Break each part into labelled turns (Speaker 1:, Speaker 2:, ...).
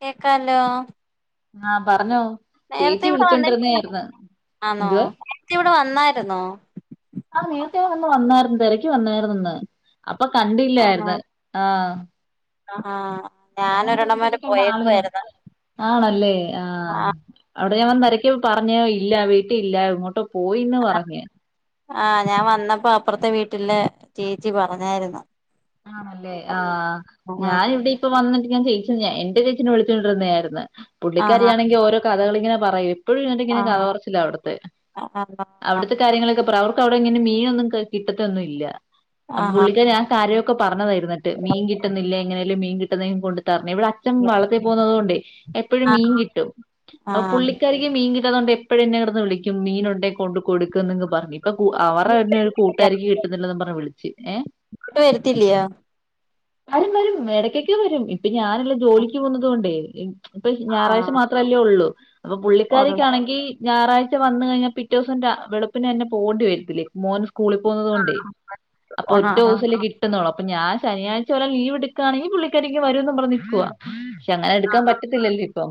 Speaker 1: കേക്കാലോ
Speaker 2: ആഹ് പറഞ്ഞോ?
Speaker 1: നേരത്തെ
Speaker 2: ചേച്ചി
Speaker 1: ഇവിടെ വന്നിട്ടുണ്ടോ
Speaker 2: വിളിച്ചോണ്ടിരുന്നയായിരുന്നു
Speaker 1: ആന്നോ
Speaker 2: എന്തുവാ
Speaker 1: നേരത്തെ ഇവിടെ വന്നായിരുന്നോ?
Speaker 2: ആഹ് നേരത്തെ ഒന്ന് വന്നായിരുന്നു തെരക്കിവന്നായിരുന്നിന്ന്‌ അപ്പൊ കണ്ടില്ലായിരുന്നു ആഹ്
Speaker 1: ആ ആ ഞാന്
Speaker 2: ഞാനങ്ങോട്ട്
Speaker 1: ഒരിടം വരെ
Speaker 2: വന്നപ്പോഴത്തേക്ക് അവിടെ ആളില്ലെന്ന്
Speaker 1: പോയേക്കുവായിരുന്നു
Speaker 2: ആണല്ലേ ആ അവിടെ ഞാൻ വ തെരക്കിയപ്പോ പറഞ്ഞു ഇ ഇല്ല വീട്ടിൽ ഇല്ല എങ്ങോട്ടോ പോയിന്ന് പറഞ്ഞ്
Speaker 1: ആഹ് ഞാൻ വന്നപ്പോ അപ്പുറത്തെ വീട്ടില് ചേച്ചി പറഞ്ഞായിരുന്നു.
Speaker 2: ആണല്ലേ ആഹ്
Speaker 1: ആ
Speaker 2: ഞാന് ഇവിടെ ഇപ്പൊ വന്നിട്ട് ചെയി എന്റെ ചേച്ചീനെ വിളിച്ചോണ്ടിരുന്നതായിരുന്നു പുള്ളിക്കാരി
Speaker 1: ആഹാ
Speaker 2: ആണെങ്കിൽ ഓരോ കഥകളിങ്ങനെ പറയും. എപ്പോഴും ഇങ്ങനെ കഥ
Speaker 1: ആഹാ
Speaker 2: പറച്ചിലാ അവിടുത്തെ
Speaker 1: ആഹാ
Speaker 2: അവിടുത്തെ കാര്യങ്ങളൊക്കെ പറയും അവർക്കവിടിങ്ങനെ മീനൊന്നും കിട്ടത്തൊന്നുവില്ല അപ്പൊ
Speaker 1: ആഹാ
Speaker 2: പുള്ളി ആ കാര്യൊക്കെ പറഞ്ഞതാ ഇരുന്നിട്ട് മീൻ കിട്ടുന്നില്ല. എങ്ങനേലും മീൻ കിട്ടുന്നെ കൊണ്ട് തരണേ ഇവിടെ അച്ഛൻ വള്ളത്തെ പോകുന്നതുകൊണ്ടേ എപ്പോഴും
Speaker 1: ആ
Speaker 2: മീൻ കിട്ടും.
Speaker 1: ആ
Speaker 2: അപ്പൊ പുള്ളിക്കാരിക്ക് മീൻ കിട്ടാത്തതുകൊണ്ട് എപ്പ് ഴും എന്നെ കിടന്നു വിളിക്കും മീൻ ഉണ്ടേ കൊണ്ട്‌ കൊടുക്ക് എന്ന് പറഞ്ഞു ഇപ്പൊ അവർടെ
Speaker 1: അങ്ങോട്ട്
Speaker 2: തന്നെ കൂട്ടുകാരിക്ക് കിട്ടുന്നില്ലന്ന് പറ ഞ്ഞ് വിളിച്ച് ഏ
Speaker 1: ഇവിടെ വരത്തില്ലയാ
Speaker 2: വരും വരും ഇടക്കൊക്കെ വരും ഇപ്പൊ ഞാനില്ല ജോലിക്ക് പോന്നത് കൊണ്ടേ ഇപ്പൊ
Speaker 1: ആ
Speaker 2: ഞായറാഴ്ച മാത്രമല്ലേ ഉള്ളൂങ അപ്പൊ
Speaker 1: ഓ
Speaker 2: പുള്ളിക്കാരിക്കാണെങ്കി ഞായറാഴ്ച വന്ന് കഴിഞ്ഞാൽ പിറ്റേദിവസം വളുപ്പിനെ തന്നെ പോവേണ്ടി വരത്തില്ലേ മോന് സ്കൂ സ്കൂളിൽ പോകുന്നത് കൊണ്ടേ അപ്പൊ
Speaker 1: ആ ആ
Speaker 2: ഒറ്റ
Speaker 1: ആ
Speaker 2: ദിവസല്ലേ കി അപ്പൊ ഞാൻ ശനിയാഴ്ച വരെ ലീവ് എടുക്കുവാണെങ്കിൽ പുള്ളിക്കാരി വരും എന്ന് പറഞ്ഞ് നിക്കുവാ പക്ഷെ അങ്ങനെ എടുക്കാൻ പറ്റത്തില്ലല്ലോ ഇപ്പം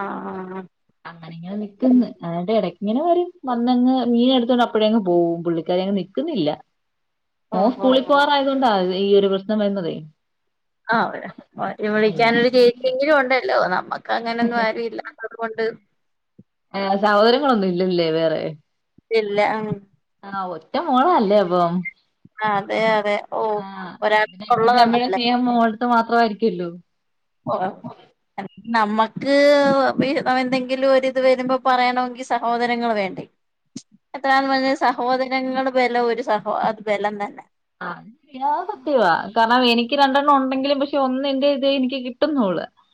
Speaker 1: ആ ആ ആ
Speaker 2: അങ്ങനെ ഇങ്ങെ നിക്കന്ന് എന്നിട്ട് ഇടക്ക് ഇങ്ങനെ വരും വന്നങ്ങ്മീന് എടുത്തോണ്ട് അപ്പഴേ അങ്ങ് പോകും പുള്ളിക്കാരി അങ്ങ് നിക്കുന്നില്ല.
Speaker 1: ആഹ് ഹാ
Speaker 2: പോവാറായത് കൊണ്ടാ ഈ ഒരു പ്രശ്നം വരുന്നതെ
Speaker 1: ആ ഒര് വിളിക്കാനൊരു ചേച്ചിയെങ്കിലും ഉണ്ടല്ലോ നമ്മക്ക് അങ്ങനൊന്നും ആരും ഇല്ലാത്തതുകൊണ്ട്
Speaker 2: ഏഹ് സഹോദരങ്ങളൊന്നും ഇല്ലല്ലേ വേറെ
Speaker 1: ഇല്ല ആ
Speaker 2: ആ ഒറ്റ മോളാല്ലേ അപ്പം
Speaker 1: അതെ അതെ ഓ
Speaker 2: ആ അപ്പോപ്പിന്നെ അച്ഛൻ്റേം
Speaker 1: ഒരാൾക്കുള്ളതാ
Speaker 2: അമ്മേടേം
Speaker 1: നല്ലത്
Speaker 2: സ്നേഹം മോളെടുത്ത് മാത്രമായിരിക്കൂല്ലോ.
Speaker 1: നമ്മ ക്ക് വീതം എന്തെങ്കിലും ഒരിത് വരുമ്പോ പറയണമെങ്കിൽ സഹോദരങ്ങൾ വേണ്ടേ. എത്രയാന്ന് പറഞ്ഞാലും സഹോദരങ്ങള് ബലം ഒരു സഹോ അത് ബലം തന്നാ.
Speaker 2: ആ അത് സത്യവാ കാരണം എനിക്ക് രണ്ടെണ്ണം ഉണ്ടെങ്കിലും പക്ഷെ ഒന്നിൻ്റെ ഇതേ എനിക്ക് കിട്ടുന്നുള്ളൂ.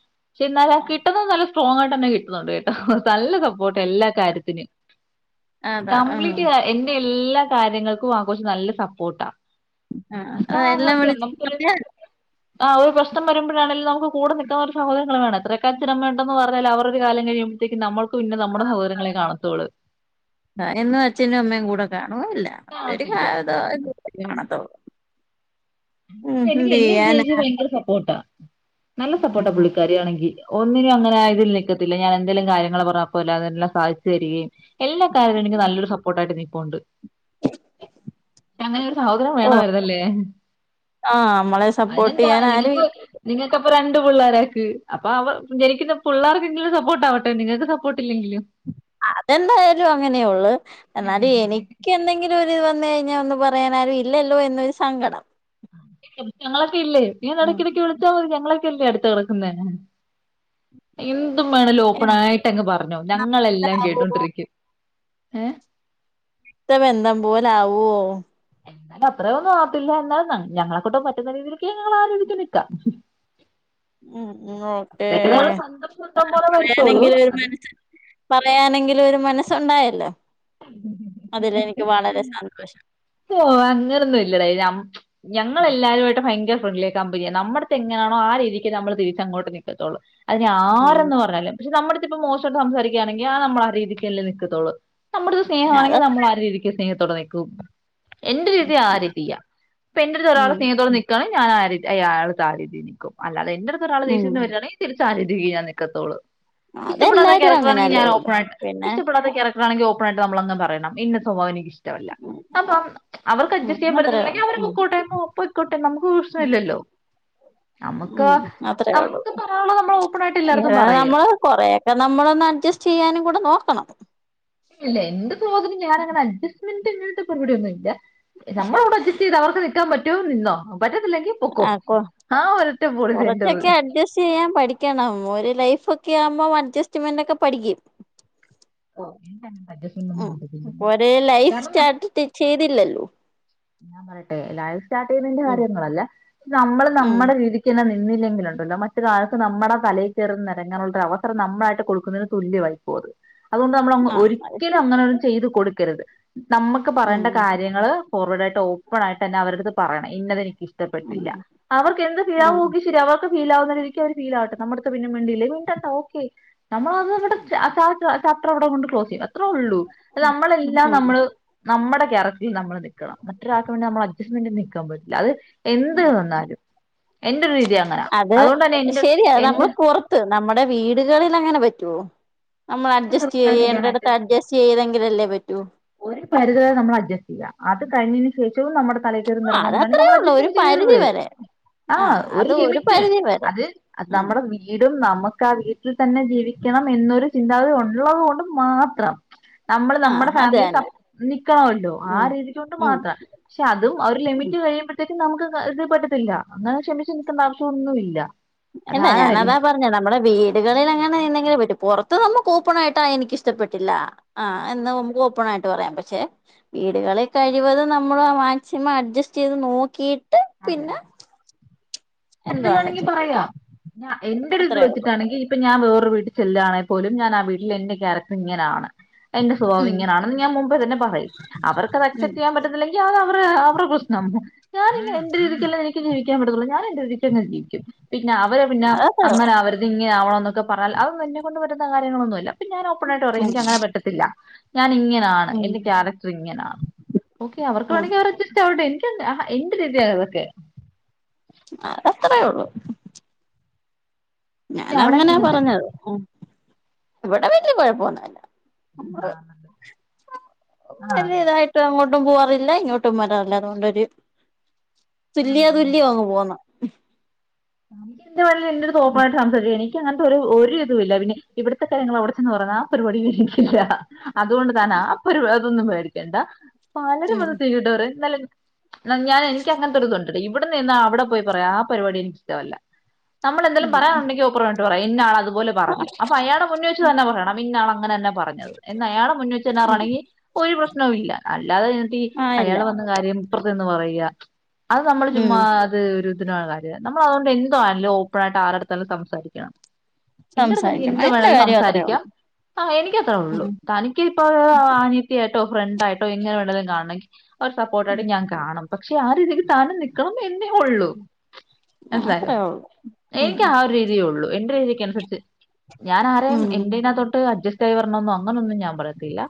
Speaker 2: പക്ഷെ എന്നാല് ആ കിട്ടുന്നത് നല്ല സ്ട്രോങ് ആയിട്ട് തന്നെ കിട്ടുന്നുണ്ട് കേട്ടോ നല്ല സപ്പോർട്ടാ എല്ലാ കാര്യത്തിനും.
Speaker 1: അതാ ഉം.
Speaker 2: കംപ്ലീറ്റ് ആ എന്റെ എല്ലാ കാര്യങ്ങൾക്കും ആ കൊച്ച് നല്ല സപ്പോർട്ടാ.
Speaker 1: ആ ആ
Speaker 2: [unintelligible]
Speaker 1: എല്ലാം
Speaker 2: സത്യം
Speaker 1: വിളിച്ച്
Speaker 2: [unintelligible]
Speaker 1: പറഞ്ഞാ
Speaker 2: ആ ഒരു പ്രശ്നം വരുമ്പോഴാണേലും നമുക്ക് കൂടെ നിക്കാൻ ഒരു സഹോദരങ്ങള് വേണം. എത്ര ഒക്കെ അച്ഛൻ അമ്മ ഉണ്ടെന്ന് പറഞ്ഞാലും അവരൊരു കാലം കഴിയും മ്പഴത്തേക്ക് നമ്മൾ
Speaker 1: ആ എന്നും അച്ഛനും അമ്മയും കൂടെ കാണോ ഇല്ല അവര് കാ
Speaker 2: കാണത്തില്ല
Speaker 1: ഏതോ [unintelligible] കല്യാണം [unintelligible]
Speaker 2: എനിക്ക്യ് എൻ്റെ ചേച്ചി ഭയങ്കര സപ്പോർട്ടാ നല്ല സപ്പോർട്ടാ
Speaker 1: ഉം.
Speaker 2: പുള്ളിക്കാരിയാണെങ്കി ഒന്നിനും അങ്ങനെ ഇതില് നിക്കത്തില്ല ഞാനെ ന്തേലും കാര്യങ്ങള് പറഞ്ഞാ അപ്പോല്ലെ അതെല്ലാം സാധിച്ചു തരികയും. എല്ലാ [unintelligible] എനിക്ക് നല്ലൊരു സപ്പോർട്ടായിട്ട് നിപ്പുണ്ട് അങ്ങനെ ഒരു സഹോദരൻ
Speaker 1: ഓ
Speaker 2: വേണവായിരുന്നല്ലേ
Speaker 1: ആഹ് നമ്മളെ സപ്പോർട്ട്
Speaker 2: അയിനെന്താ
Speaker 1: ചെയ്യാൻ ആരും
Speaker 2: നിനക്കു
Speaker 1: ഇല്ല
Speaker 2: നിനക്ക പ്പം രണ്ട് പുള്ളാരാക്ക് അപ്പൊ അവ ജനിക്കിന്ന പുള്ളാർക്കെങ്കിലും സപ്പോർട്ടാവട്ടെ നിങ്ങക്ക് സപ്പോർ
Speaker 1: അതെന്തായാലും അങ്ങനെ ഒള്ള് എന്നാലും എനിക്കെന്തെങ്കിലും ക്കൊര്ത് വന്ന് കയ്ഞ്ഞാ ഒന്ന് പറയാനാരും ഇല്ലല്ലോ എന്നൊരു സങ്കടം
Speaker 2: ഞങ്ങളൊക്കെ ഇല്ലേ നീ
Speaker 1: ഉം
Speaker 2: എടെക്കെടെക്ക് വിളിച്ചാ മതി ഞങ്ങെളെ ക്കല്ലേ അട്ത്ത് കെടെക്ക്ന്നെ എന്തും വേണേലും ഓപ്പണായിട്ടങ്ങ് പർഞ്ഞോ ഞങ്ങളെല്ലാം
Speaker 1: എന്താവോ
Speaker 2: കേട്ടോണ്ടിരിക്കും ഏഹ്
Speaker 1: ത്ത ബന്ധം പോലാവോ
Speaker 2: എന്തയാലും അത്രയൊന്നും ആകത്തില്ല എന്നാ ഞങ്ങ് ഞങ്ങളെക്കൊണ്ട് പറ്റുന്ന രീതിയിലൊക്കെ ഞങ്ങളാലോചിച്ച് നിക്കാം
Speaker 1: ഉം ഉം ഓക്കേ
Speaker 2: ഇതൊക്കെ ഞങ്ങൾ സ്വന്തം സ്വന്തം
Speaker 1: ആഹ്
Speaker 2: പോലെ വരുത്തുള്ളൂ
Speaker 1: പറയാനെങ്കിലും ഒരു
Speaker 2: അത്
Speaker 1: മനസ് പറയാനെങ്കിലും ഒര് മനസ്സുണ്ടായല്ലോ അതിലെനിക്ക് വളരെ സന്തോ
Speaker 2: ഓഹ് അങ്ങനൊന്നും ഇല്ലടേ ഞം ഞങ്ങളെല്ലാവരു ആയിട്ട് ഭയങ്കര ഫ്രണ്ട്ല്യാ കമ്പന്യാ നമ്മടെത്തെങ്ങനാണോ ആ രീതിക്ക് നമ്മള് തിരിച്ചങ്ങോട്ട് നിക്കത്തൊള്ളൂ അതിനി
Speaker 1: ഉം
Speaker 2: ആരെന്ന് പർഞ്ഞാലും പക്ഷെ നമ്മടെട്ത്തിപ്പം മോശമായിട്ട് സംസാരിക്കയാണെങ്കി ആ നമ്മളാ രീതിക്കല്ലേ നിക്കത്തൊള്ളൂ നമ്മടട്ത്ത്
Speaker 1: അത
Speaker 2: സ്നേഹാണെങ്കി നമ്മളാ രീതിക്ക് സ്നേഹത്തോടെ നിക്കും എന്റെ രീതി ആ രീതിയാ ഇപ്പൊ എന്റെട്ത്ത് ഒരാള്
Speaker 1: ഉം
Speaker 2: സ്‌നേഹത്തോടെ നിക്കാണേ ഞാനാ ആ രീതി അയാള്ടെടുത്ത് ആ രീതി നിക്കും അല്ലാതെ എന്റെ അട്ത്ത് ഒരാള്
Speaker 1: ഉം
Speaker 2: ദേഷ്യത്തിന് വരാണെ തിരിച് ച്ചാ രീതിക്ക് ഞാൻ നിക്കത്താെള്ളു ഇഷ്ടപ്പെടാത്ത
Speaker 1: അതെല്ലാരും
Speaker 2: ക്യാരക്‌ടറാണെങ്കി
Speaker 1: അങ്ങനല്ലേ
Speaker 2: ഞാൻ
Speaker 1: ഒള്ളു
Speaker 2: ഓപ്പണായിട്ട്
Speaker 1: പിന്നെ
Speaker 2: ഇഷ്ടപ്പെടാത്ത ക്യാരക്ടറാണെങ്കി ഓ പ്പണായിട്ട് നമ്മളങ്ങ് പറയണം ഇന്ന സ്വഭാവം എനിക്ക് ഇഷ്ടവല്ല
Speaker 1: ഉം
Speaker 2: അപ്പം അവർക്ക്
Speaker 1: ഉം
Speaker 2: അഡ്ജസ്റ്റെയ്യാൻ
Speaker 1: അത്രേ
Speaker 2: പറ്റത്തില്ലെങ്കി
Speaker 1: ഒള്ളൂ
Speaker 2: അവര്
Speaker 1: ഉം
Speaker 2: പൊക്കോട്ടെ പോ പോയ്ക്കോട്ടെ നമുക്ക് പ്രശ്‌ന ഇല്ലല്ലോ
Speaker 1: ഉം അത്രേ ഒള്ളൂ
Speaker 2: പറയാനുള്ളത് നമ്മൾ ഓപ്പൺ ആയിട്ട് എല്ലായിടത്തും
Speaker 1: ഇങ്ങെനെ
Speaker 2: പറയുക
Speaker 1: നമ്മള് കൊറേയൊക്കെ നമ്മള് ന്ന് അഡ്ജസ്റ്റെയ്യാനും കൂടെ നോക്കണം
Speaker 2: ല്ല എന്റെ സ്വഭാവത്തിന് ഞാനങ്ങനെ അഡ്സ്റ്റ്മെന്റ് ഇങ്ങൻത്തെ പരുപാടി ഒന്നും ഇല്ല നമ്മളവിടെ അഡ്ജസ്റ്റെയ്ത് അവർക്ക് നിക്കാൻ പറ്റുവോ നിന്നോ പറ്റത്തില്ലെങ്കി പൊക്കോ ആ ഒരൊറ്റ പോളിസി എന്റേത്
Speaker 1: കൊറാെച്ചൊക്കെ അഡ്ജസ്റ്റെയ്യാം പഠിക്കണം ഒര് ലൈഫ് ആകുമ്പം അഡ്ജസ്റ്റ്മെന്റ് ഒക്കെ പഠിക്കും.
Speaker 2: ഓ എനിക്ക് അങ്ങനത്തെ അഡ്ജസ്റ്റ്മെന്റ് ഒന്നും
Speaker 1: ഉം
Speaker 2: പറ്റത്തില്ല
Speaker 1: ഒരേ ലൈഫ്
Speaker 2: കാരണം
Speaker 1: സ്റ്റാർട്ട് ചെയ്തില്ലല്ലോ
Speaker 2: ഞാൻ പറയട്ടെ ലൈഫ് സ്റ്റാർട്ട്
Speaker 1: ഉം
Speaker 2: കാര്യങ്ങളല്ല. നമ്മള്
Speaker 1: ഉം
Speaker 2: നമ്മുടെ രീതിക്ക് തെന്നെ നിക്ക നിന്നില്ലെങ്കിലുണ്ടല്ലോ മറ്റൊരാൾക്ക് നമ്മടെ തലയിൽ കേറിനേരങ്ങാനുള്ള ഒരു അവസരം നമ്മളായിട്ട് കൊടുക്കുന്നതിന് തുല്യവായിപ്പോകും ഒത് അതുകൊണ്ട് നമ്മള്
Speaker 1: ആ അത്
Speaker 2: ഒരിക്കലും
Speaker 1: ശരി
Speaker 2: അങ്ങനെന്നും ചെയ്ത് കൊടുക്കരുത്. നമ്മുക്ക് പറയേണ്ട
Speaker 1: ഉം
Speaker 2: കാര്യങ്ങള്. അവരുയിട്ട് ഓപ്പൺ ആയിട്ട് തന്നെ അവരടുത്ത് പറയണം ഇന്നത് എനിക്ക് ഇഷ്ടപ്പെട്ടില്ല അവർക്ക് എന്ത്
Speaker 1: ഉം ഉം
Speaker 2: പിഴവുക്കി ശരി അവർക്ക് ഫീലാവുന്നരീതിക്ക് അവർ ഫീലട്ടെ നമ്മളെടത് പിന്നെ മിണ്ടിലാക്കിൽ പിന്നെ മിണ്ടണ്ട ഒക്കെ നമ്മള്ളത് [unintelligible] അത്രടെ കൊണ്ട് ക്ലോസ് ചെയ്യും അത്രേയൊള്ളൂ നമ്മളെല്ലാം.
Speaker 1: ഉം
Speaker 2: നമ്മള് നമ്മടെ കാരക്ടറിൽ നമ്മൾ നിക്ക ക്കണം മറ്റൊരാൾക്ക് വേണ്ടി നമ്മൾ അഡ്ജസ്റ്റ്മെന്റ് നിൽക്കാൻ പറ്റില്ല അത് എന്തിനിന്നാലും
Speaker 1: അത്
Speaker 2: എന്റെ
Speaker 1: ശരിയാ നമ്മൾ
Speaker 2: എന്റെ
Speaker 1: പുറത്ത് നമ്മുടെ വീടുകളിൽ അങ്ങനെ പറ്റുവോ നമ്മൾ അഡ്ജസ്റ്റ്
Speaker 2: തീരുമാനമായിട്ട്
Speaker 1: ചെയ്യേണ്ടടത്ത് അഡ്ജസ്റ്റ് ചെയ്തങ്കിലല്ലേ പറ്റു
Speaker 2: ഒരു പരിധിവരെ നമ്മൾ അഡ്ജസ്റ്റ് ചെയ്യാം. അത്കഴിഞ്ഞതിന് ശേഷം ഏറ്റവും നമ്മുടെ തല കയറി
Speaker 1: ആ
Speaker 2: നാരങ്ങൻ
Speaker 1: അത്
Speaker 2: പറഞ്ഞാലും
Speaker 1: അത്രേ
Speaker 2: നമ്മൾ
Speaker 1: ഉള്ളൂ ഒരു
Speaker 2: അഡജസ്റ്റ്
Speaker 1: പരിധി
Speaker 2: ചെയ്യരുത്.
Speaker 1: വരെ ആ
Speaker 2: ആഹ ഒരു
Speaker 1: അത്
Speaker 2: ലിമിറ്റ്
Speaker 1: പരിധി വരെ
Speaker 2: അത് അത്
Speaker 1: ഉം
Speaker 2: നമ്മുടെ വീടും നമ്മ നമുക്ക ആ വീട്ടിൽ തന്നെ ജീവിക്കണം. എന്നൊരു ചിന്താഗതി ഉള്ളത് കൊണ്ട് മാത്രം. നമ്മള്
Speaker 1: ആ
Speaker 2: നമ്മുടെ
Speaker 1: അത്
Speaker 2: ഫാമിലി
Speaker 1: തന്നെ
Speaker 2: [unintelligible] നക്കണല്ലോ ആ
Speaker 1: ഉം
Speaker 2: രീതിക്ക് കൊണ്ട്
Speaker 1: ഉം
Speaker 2: മാത്രം പക്ഷെ അതും ഒരു
Speaker 1: ഉം
Speaker 2: ലിമിറ്റ് കഴിയുമ്പോഴത്തേക്കും. നമുക്ക് കരുതി പറ്റത്തില്ല. അങ്ങനെ ക്ഷമിച്ചച്ച് നിൽക്കണ്ട ആവശ്യമൊന്നുമില്ല.
Speaker 1: ഇല്ല ഞാന അതാ പറഞ്ഞത്. നമ്മുടെ വീടുകളിൽ അങ്ങനെ എന്തെങ്കിലും പറ്റും. പുറത്ത്. ഇത് നമുക്ക് ഓപ്പൺ ആയിട്ട് എനിക്ക് ഇഷ്ടപ്പെട്ടില്ല ആ എന്ന് നമുക്ക് ഓപ്പൺ ആയിട്ട് പറയാം പക്ഷെ വീടുകൾ അല്ലേൽ കഴിവതും നമ്മൾ മാക്സിമം അഡ്ജസ്റ്റ് ചെയ്ത് നോക്കി
Speaker 2: അതെതെ
Speaker 1: എന്തുവാന്ന്
Speaker 2: പറ്റത്തില്ലങ്കിൽ
Speaker 1: വെച്ചാ ചെയ്യാ
Speaker 2: പറയാം ഞാൻ എന്റെ ഒരു
Speaker 1: അത്രേ ഉള്ളൂ
Speaker 2: ഇതുവെച്ചിട്ടെങ്കിൽ ഇപ്പോ ഞാൻ വേറെ വീട്ടിൽ ചെലന്നാൽ പോലും ഞാൻ ആ വീട്ടില് എന്റെ ഒരു കറക്റ്റർ ഇങ്ങനെയാണ് എന്റെ സ്വഭാവം
Speaker 1: ഉം
Speaker 2: ഇങ്ങനെയാണ് ഞാൻ മുന്പേ തന്നെ പറയും അവർക്ക് അത്
Speaker 1: ഉം
Speaker 2: അക്സെപ്റ്റ് ചെയ്യാൻ പറ്റത്തില്ലെങ്കി അ അവ അവരു പ്രശ്നം ഞാന് എന്റെ രീതിക്കല്ലാം എനിക്ക് ജീവിക്കാൻ പറ്റത്തൊള്ളൂ. ഞൻ എന്റെ രീതിക്കങ് ജീവിക്കും. പിന്നെ അവര് പിന്നെ
Speaker 1: അതത്രേ
Speaker 2: അങ്ങനെ
Speaker 1: ഉള്ളൂ
Speaker 2: ആവരുത് ഇങ്ങനെ ആവാം എന്നൊക്കെ പറഞ്ഞാൽ അതൊന്നും എന്നെകൊണ്ട് പറ്റുന്ന കാര്യങ്ങളൊന്നുമല്ല ഇപ്പം ഞാൻ ഓപ്പണായിട്ട് പറയും
Speaker 1: ഉം
Speaker 2: എനിക്ക് അങ്ങനെ പറ്റത്തില്ല ഞാൻ ഇങ്ങനെയാണ്.
Speaker 1: ഉം
Speaker 2: എന്റെ കാരറ്റർ ഇങ്ങനെയാണ്. ഓക്കെ അവർക്ക്
Speaker 1: ഉം
Speaker 2: വേണമെങ്കിൽ അവർ അഡ്ജസ്റ്റ് ആവട്ടെ. ആ എന്റെ രീതിയാണ് ഇതൊക്കെ
Speaker 1: അ അത്രേയൊള്ളൂ.
Speaker 2: പിന്നെ
Speaker 1: ഞാന്
Speaker 2: അവിടെ എങ്ങനെയുണ്ട്
Speaker 1: അങ്ങനയാപറഞ്ഞത്. ഓ ഇവിടെ വലിയ കൊയപ്പൊന്നുല്ല.
Speaker 2: ആഹ [unintelligible]
Speaker 1: വലിയതായിട്ട് അങ്ങോട്ടും പോവാറില്ല. ഇങ്ങോട്ടും വരാറില്ല. അതുകൊണ്ടൊര്
Speaker 2: ആഹ്
Speaker 1: തുല്യോ
Speaker 2: ആഹ്
Speaker 1: തുല്യോ ആവോ എന്ന്
Speaker 2: [unintelligible] എന്റടുത്തു ഓപ്പണായിട്ട് സംസാരിച്ചേ നീ എനിക്ക് അങ്ങനത്തെ ഒരു ഒരു ഇതുല്ല പിന്നെ ഇവിടുത്തെ കാര്യങ്ങൾ അവിടെ ചെന്ന് പറയുന്ന ആ പരിപാടി എനിക്കില്ല. അതുകൊണ്ട് തൻ ആ പരു അതൊന്നും പേടിക്കണ്ട പലരും
Speaker 1: ഉം
Speaker 2: വന്നു [unintelligible] എന്ന ഞാൻ എനിക്ക് അങ്ങനെത്തെയൊരുത്തുണ്ട്. ഇവിടെ നിന്നാ അവിടെ പോയി പറയാ ആ പരിപാടി എനിക്ക് ഇഷ്ട്ടമല്ല. നമ്മൾ എന്തേലും
Speaker 1: ഉം
Speaker 2: പറയാനുണ്ടാകിൽ ഓപ്പറേയിട്ട് പറയാം ഇന്നായാൽ അത് അതുപോലെ പറഞ്ഞു അപ്പോ അയാളുടെ മുന്നിൽ വെച്ചുതെന്നെ പറയണം ഇന്നായാൽ അങ്ങനതെന്നെ പറഞ്ഞത് എന്ന് അയാളുടെ മുന്നിൽ വെച്ച്തെന്നെ പറയങ്കിൽ ഒരു പ്രേശ്നവുമില്ല അല്ലാതെ ചെന്നിട്ട് എന്നിട്ട് ഈ
Speaker 1: ആ ഇല്ല
Speaker 2: അയാള് പറഞ്ഞകാര്യം ഇപ്പറത്ത് ചെന്നുപറയും യാ അത് നമ്മള്
Speaker 1: ഉം
Speaker 2: ചുമ്മാ അത് ഒരു ഇതിനുള്ളകാര്യ നമ്മൾ അതുകൊണ്ട്. എന്തുണല്ലേ ഓപ്പൺആയിട്ട് ആരാടുതല്ലും സംസാരിക്കണം. എന്റെ അടുത്ത് എനിക്ക്
Speaker 1: സംസാരിക്കണം
Speaker 2: എന്തു
Speaker 1: അയിന്റെ
Speaker 2: വേണേലും
Speaker 1: കാര്യം അത്രേ
Speaker 2: സംസാരിക്കാം.
Speaker 1: ഉള്ളൂ
Speaker 2: ആ എനിക്ക്ത്രേഉള്ളൂ.
Speaker 1: ഉം
Speaker 2: തനിക്ക് ഇപ്പോ ആനിയത്തി ഏ ട്ടോ ഫ്രണ്ടായിട്ടോ അങ്ങനെ വേണങ്കിലും കാണും. ഒരു സപ്പോർട്ടായിട്ട് ഞാൻ കാണും. പക്ഷെ ആ രീതിക്ക് താനും നിക്കണം എന്നേ ഉള്ളൂ മനസിലായോ
Speaker 1: അത്രേ ഉള്ളൂ ഉം
Speaker 2: എനിക്ക് ആ രീതിയ ഉള്ളു. എന്റെ രീതിക്കനുസരിച് ഞാൻ ആരേം
Speaker 1: ഉം
Speaker 2: എന്റേന തോട്ട് അഡ്സ്റ്റ് ആയി വരണമെന്നോ. അങ്ങനൊന്നും ഞാൻ പറയത്തില്ല.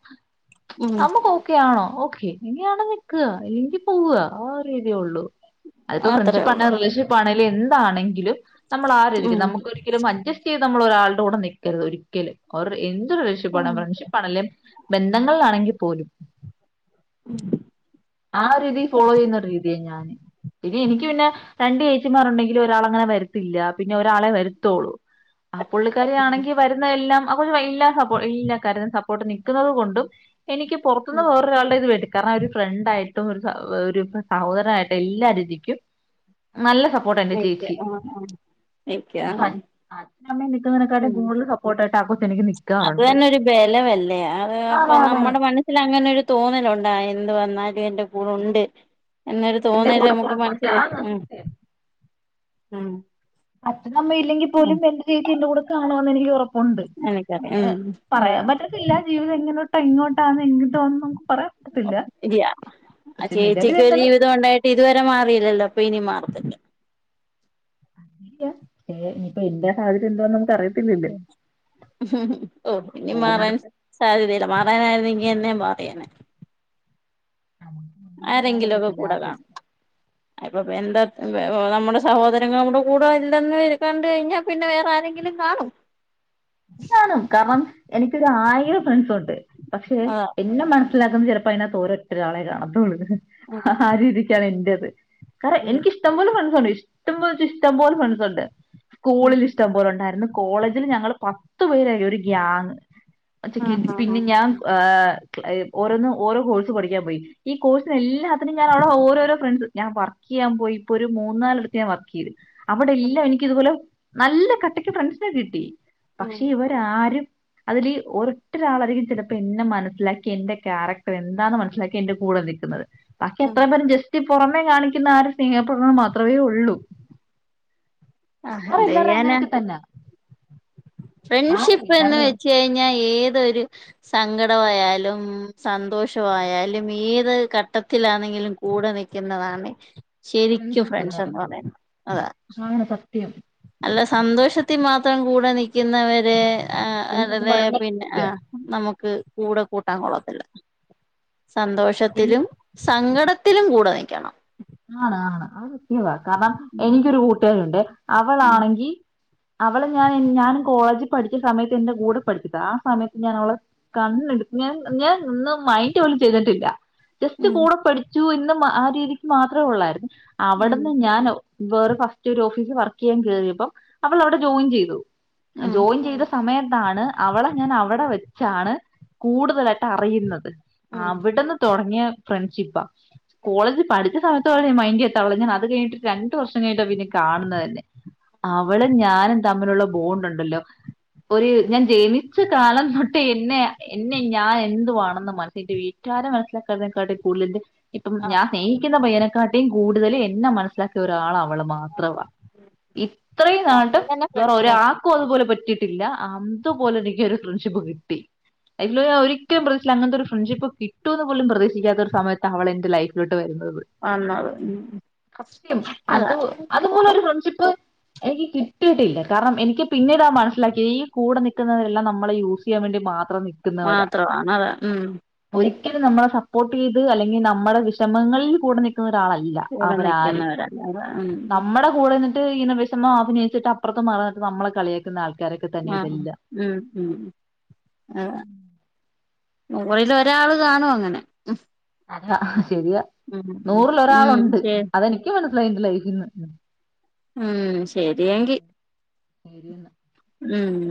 Speaker 1: ഉം
Speaker 2: നമ്മുക്ക് ഓക്കെ ആണോ. ഓ എങ്ങനാണേ നിക്ക ല്ലെകിൽ പോവാ ആഒരേതുള്ളു
Speaker 1: അത്രേ
Speaker 2: അപ്പോഫ്രണ്ട്ഷിപാനെ
Speaker 1: ഉള്ളൂ
Speaker 2: റിലേഷൻ എന്താണെങ്കിലും നമ്മളാ രീതിക്ക്‌
Speaker 1: ഉം
Speaker 2: നമുക്കൊരിക്കലും അജസ്റ്റ് ചെയ്ത് നമ്മളഒരാളുടെ കൂടെ നിക്കരുത് ഒരിക്കലും അവരുണ്ടേ എന്ത് അതൊരു റിലേഷൻഷിപ് ആണ്
Speaker 1: ഉം
Speaker 2: ഫ്രണ്ട്ഷിപ്പാണ്ലെ ബന്ധങ്ങളിലാണെങ്കിൽ പോലും. ആഹ് രീതിയിൽ ഫോളോ ചെയ്യുന്ന ഒരു രീതിയാ ഞാന്, പിന്നെ എനിക്ക് പിന്നെ രണ്ട് രീ ചേച്ചിമാർ ഉണ്ടെങ്കിലും ഒരാള് അങ്ങനെ വരത്തില്ല, പിന്നെ ഒരാളെ വരുത്തോളളൂ. ആഹ് പുള്ളിക്കാരി ആണെങ്കിൽ വരുന്ന എല്ലാം. അവര് എല്ലാ സപ്പോർട്ട് എല്ലാ കാര്യത്തിനും സപ്പോർട്ട് നിൽക്കുന്നത് കൊണ്ടും. എനിക്ക് പുറത്തുന്ന വേറൊരാളുടെ ഇത് വേണ്ടേ കാരണം അവര്. ഫ്രണ്ടായിട്ടും ഒ ഒരു സഹോദരാനായിട്ടും എല്ലാരീതിക്കും നല്ല സപ്പോർട്ട്. സപ്പോർട്ട് എന്റെ
Speaker 1: വെയ്ക്ക
Speaker 2: ചേച്ചി
Speaker 1: ആ ആ വെയ്ക്ക ആ
Speaker 2: സ അച്ഛനും അമ്മയും നിക്കുന്നതിനെക്കാട്ടും കൂടുതൽ സപ്പോർട്ടാ.
Speaker 1: അത് തന്നെ ഒരു ബലമല്ലേ, അത് അപ്പം
Speaker 2: ആണാണ്
Speaker 1: നമ്മുടെ മനസ്സില് അങ്ങനെ ഒരു തോന്നൽ ഒണ്ട് എന്ത് വന്നാലും. ദേ എന്റെ കൂടെ ഒണ്ട്, എന്നൊരു
Speaker 2: എന്റെ
Speaker 1: തോന്നല്
Speaker 2: കൂടെ
Speaker 1: നമുക്ക്
Speaker 2: പുറപ്പെട്ട്
Speaker 1: മനസ്സിലും
Speaker 2: ആന്ന്
Speaker 1: ഉം.
Speaker 2: സത്യം
Speaker 1: ഉം
Speaker 2: അച്ഛനും അമ്മയും ഇല്ലെങ്കി
Speaker 1: ഉം
Speaker 2: പോലും എന്റെചേച്ചി എന്റെ കൂടെ കാണൂന്ന് എനിക്ക് ഉറപ്പു ഉണ്ട്
Speaker 1: എനിക്കറിയാം
Speaker 2: പിന്നെ
Speaker 1: ഉം അതാ
Speaker 2: പറയാൻ പറ്റത്തില്ല ജീവിതം എങ്ങനോട്ടന്ന് എങ്ങോട്ടാന്ന് എങ്ങോട്ടാന്ന് നുക്ക് പറയാൻ പറ്റത്തില്ല
Speaker 1: ഇല്യ ആ
Speaker 2: പക്ഷെ നിലവിൽ
Speaker 1: ചേച്ചിക്ക് ഒരു
Speaker 2: എന്തായാലും
Speaker 1: ജീവിതം ഉണ്ടായിട്ട് ഇതുവരെ മാറീല്ലല്ലോ അപ്പൊ ഇനി മാറത്തില്ല
Speaker 2: അങ്ങനെ ഇല്യ ഏ ഇനിപ്പൊ എന്റെ സാഹചര്യം എന്തോന്ന് നമുക്ക് അറിയത്തില്ലല്ലോ
Speaker 1: ഹും ഹും ഉ ഓ ഇനി മാറാൻ
Speaker 2: പോകുന്നിടത്ത്
Speaker 1: സാധ്യതയില്ല മാറാനായിരുന്നെങ്കിൽ എന്നേ മാറിയേനെ
Speaker 2: നമുക്ക് ഒന്നും പറയാൻ
Speaker 1: ആരെങ്കിലൊക്കെ
Speaker 2: പറ്റത്തില്ല
Speaker 1: കൂടെ
Speaker 2: ആരുടെയും
Speaker 1: കാണും അതിപ്പോ ബന്ധ നമ്മുടെ സഹോദരങ്ങളും കൂടെ ഇല്ലന്നു കണ്ടുകഴിഞ്ഞാപിന്നെ വേറെആരെങ്കിലും കാണും
Speaker 2: കാണും കാരണം എനിക്കോരായിരം ഫ്രണ്ട്സ് ഉണ്ട് പക്ഷെ
Speaker 1: അതാ
Speaker 2: എന്നെ മനസി ലാക്കുന്നത് ചിലപ്പൊ അതിനകത്ത് ഒരൊറ്റൊരാളെ കാണത്തൊള്ളൂ ഹഹ ആ
Speaker 1: ഉം
Speaker 2: രീതിക്കാണ് എന്റെത് കാരണം
Speaker 1: ഉം
Speaker 2: എനിക്കിഷ്ട്ടം പോലെ ഫ്രണ്ട്സ്സുണ്ട് ഇഷ്ട്ടം പോലെവെച്ചാ ഇഷ്ട്ടം പോലെ ഫ്രണ്ട്സ്സുണ്ട്
Speaker 1: ഉം
Speaker 2: സ്കൂളിൽ ഇഷ്ട്ടംപോലുണ്ടായിരുന്നു കോളേജില് ഞങ്ങള് പത്ത് പേരായിരുന്നു ഒരു ഗ്യാങ്. ച്ച് ക്
Speaker 1: ആഹ് ആഹ്
Speaker 2: പിന്നെ
Speaker 1: ആഹ്
Speaker 2: ഞാൻ ഏ.... ക്ക്‌ ഓരോന്നും ഓരോ കോഴ്സ് പഠിക്കാൻപോയി. ഈ കോഴ്സിന് എല്ലാത്തിനും ഞാനവിടെ ഓരോരോ ഫ്രണ്ട്സ് ഞൻ വർ ക്ക് ചെയ്യാൻപോയി ഇപ്പോ ഒരു മൂന്നാലിടത്ത് ഞാൻ വർക്ക്‌ ചെയ്തു അവിടെ
Speaker 1: ഉം
Speaker 2: എല്ലാം എനക്കിത്പോലെ നല്ല കട്ടക്ക് ഫ്രണ്ട്സിനെ കിട്ടി
Speaker 1: ഉം
Speaker 2: പക്ഷെ ഇവരാരും അതില് ഒരറ്റൊരാളായിരിക്കും ചിലപ്പോ എന്നെ മനസ്സിലാക്കി എന്റെ ക്യാരക്ടർ എന്താന്ന് മനസിലാക്കി എന്റെ കൂടെ നിക്കുന്നത് ബാക്കി
Speaker 1: ഉം
Speaker 2: എത്ര പേരും ജസ്റ്റ് പുറമേ കാണിക്കുന്ന ആ ഒരു സ്നേഹ പ്രകടനംമാത്രമേ.. ഉള്ളൂ.
Speaker 1: ആഹ്
Speaker 2: മിക്കവാറും
Speaker 1: എന്ത്
Speaker 2: എല്ലാരുടേം
Speaker 1: ചെയ്യാനാ
Speaker 2: അങ്ങനൊക്കെ തന്നാ ആണ്
Speaker 1: ഫ്രണ്ട്ഷിപ്പ് എന്ന്
Speaker 2: എല്ലാവരുടെയും
Speaker 1: വെച്ച്കഴിഞ്ഞാ ഏതൊരു സങ്കടം ആയാലും ഉം സന്തോഷവായാലും ഏത് ഘട്ടത്തിലാണെങ്കിലും കൂടെ നിക്കുന്നതാണ് ശെരിക്കും
Speaker 2: ഫ്രണ്ട്ഷിപ്പ് എന്ന്
Speaker 1: ഫ്രണ്ട്സ്
Speaker 2: പറയുന്നത്.
Speaker 1: എന്ന്പറയുന്നത് അതാ..
Speaker 2: സത്യം
Speaker 1: സന്തോഷത്തി മാത്രം കൂടെ നിക്കുന്നവരെ... ആ
Speaker 2: ഫ്രണ്ട്സ് ഒന്നും
Speaker 1: അതതെ
Speaker 2: പറയാൻ
Speaker 1: പിന്നെ
Speaker 2: പറ്റത്തില്ല.
Speaker 1: ആ നമുക്ക് കൂടെ കൂട്ടാൻ കൊള്ളത്തില്ല
Speaker 2: എൻ
Speaker 1: സന്തോഷത്തിലും സങ്കടത്തിലും കൂടെ നിക്കണം.
Speaker 2: ആണ് ആണ് അത് സത്യവാ കാരണം എനിക്കൊരു കൂട്ടുകാരിയുണ്ടേ.
Speaker 1: ഉം
Speaker 2: അവളാണെങ്കി അവള് ഞാൻ ഞാനും കോളേജി പഠിച്ച സമയത്ത് എന്റെ കൂടെ പഠിച്ചതാ ആ സമയത്ത് ഞാനവളെ കണ്ണ്ടത് ഞാൻ ഞാൻ ന്ന് മൈൻഡ് പോലും ചെയ്തിട്ടില്ല ജസ്റ്റ്
Speaker 1: ഉം
Speaker 2: കൂടെ പഠിച്ചു എന്ന് ആ രീതിക്ക് മാത്രെയുള്ളായിരുന്നു അവിടുന്ന് ഞാൻ ഒ വേറെ ഫസ്റ്റൊരോഫീസിൽ വർക്ക് ചെയ്യാൻ കേറിയപ്പം അവൾ അവടെ ജോയിൻ ചെയ്തു
Speaker 1: ഉം
Speaker 2: ജോയിൻ ചെയ്ത സമയത്താണ് അവളെ ഞാൻ അവടെ വെച്ച് ച്ചാണ് കൂടുതലായിട്ട് അറിയുന്നത്
Speaker 1: ഉം
Speaker 2: അവിടുന്ന് തൊടങ്ങിയ ഫ്രണ്ട്ഷിപ്പാ കോളേജി പഠിച്ച് ച്ച സമയത്ത് മൈൻഡ് ചെയ്യാത്തവളെ ഞാൻ അത് കഴിഞ്ഞിട്ട് രണ്ടു വർഷം കഴിഞ്ഞിട്ടാ പിന്നെ കാണുന്നത് തന്നെ അവളും ഞാനും തമ്മിലുള്ള ബോണ്ടൊണ്ടല്ലോ ഒര് ഞാൻ ജനിച്ച കാലം തൊട്ട് എന്നെംഎന്നെ ഞാൻ എന്തുവാണെന്ന് മനസ്സിട്ട് വീട്ട് - കാര് മനസിലാക്കാത്തെക്കാട്ടി കൂടുതലെന്റെ ഇപ്പം
Speaker 1: ആ
Speaker 2: ഞാൻ സ്നേഹിക്കുന്ന പയ്യനെക്കാട്ടീം കൂടുതല് എന്നെ മനസ്സിലാക്കിയൊരാളാവള്--മനസ്സിലാക്കിയൊരാളാവള് അവള് മാത്രവാ ഇത്രേം നാൾട്ടും
Speaker 1: അങ്ങനെ ഫ്രണ്ട്സിനെ
Speaker 2: വേറൊരാക്കും അതുപോലെ പറ്റ് റ്റീട്ടില്ല അതു പോലെനിക്കൊരു ഫ്രണ്ട്ഷിപ്പ് കിട്ടി എന്ന് ഞാൻ ഒരിക്കലും പ്രതീക്ഷിച്ചില്ല അങ്ങനത്തൊരു ഫ്രണ്ട്ഷിപ്പ് കിട്ടൂന്ന് പോലും പ്രതീക്ഷിക്കാത്തൊരു സമയത്തവളെൻ്റെ ലൈഫിലോട്ട് വരുന്നെ
Speaker 1: വന്നത് ഉം
Speaker 2: സത്യം
Speaker 1: അതാ
Speaker 2: അതു അതുപോലൊരു ഫ്രണ്ട്ഷിപ്പ് എനിക്ക് കിട്ടിയിട്ടില്ല കാരണം എനിക്ക് പിന്നീടാ മനസ്സിലാക്കിയെ ഈ കൂടെ നിക്കുന്നവരെല്ലാം നമ്മളെ യൂസ് ചെയ്യാൻ വേണ്ടി മാത് മിത്രം നിക്കുന്നവരാ
Speaker 1: മാത്രമാണ് അതാ ഉം
Speaker 2: ഒരിക്ക് ക്കലും നമ്മളെ സപ്പോർട്ട് ചെയ്ത് അല്ലെങ്കി നമ്മടെ വിഷമങ്ങളിൽ കൂടെ നിക്കുന്നൊര് രാളല്ല
Speaker 1: കൂടെ
Speaker 2: അവരാരും
Speaker 1: നിക്കുന്നവരല്ല അതാ ഉം
Speaker 2: നമ്മടെ കൂടെ നിന്ന് ട്ട് ഇങ്ങന വിഷമം അഭിനയിച്ചിട്ട് അപ്പുറത്ത് മാറി നിന്നിട്ട് നമ്മളെ കളിയാക്കുന്ന ആൾ
Speaker 1: ആഹ് ഉം ഉം ആഹ് ഓ [unintelligible] ഒരാള് കാണും അങ്ങനെ ഉം
Speaker 2: അതാ ശെരിയാ
Speaker 1: ഉം ഉം
Speaker 2: നൂറിലൊരാളൊണ്ട്
Speaker 1: ശരി
Speaker 2: അതെനിക്ക് മനസ്സിലായി എന്റെ ലൈഫീന്ന്
Speaker 1: ഉം ശെരിയെങ്കി
Speaker 2: ശെരിയെന്നാ
Speaker 1: ഉം